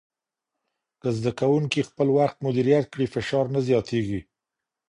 که زده کوونکي خپل وخت مدیریت کړي، فشار نه زیاتېږي.